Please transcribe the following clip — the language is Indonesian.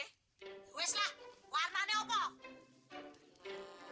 yowes lah warnanya apa